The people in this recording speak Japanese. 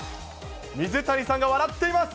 水谷さんが笑っています。